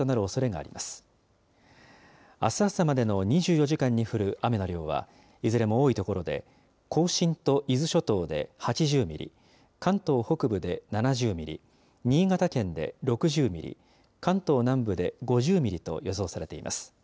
あす朝までの２４時間に降る雨の量は、いずれも多い所で、甲信と伊豆諸島で８０ミリ、関東北部で７０ミリ、新潟県で６０ミリ、関東南部で５０ミリと予想されています。